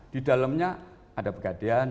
di dalamnya ada pegadaian